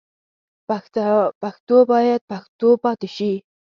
پښتو باید پښتو پاتې شي.